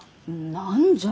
何じゃ？